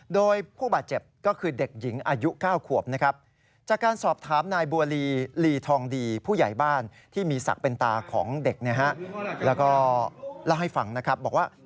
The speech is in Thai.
โดยผู้บาดเจ็บก็คือเด็กหญิงอายุ๙ควบนะครับ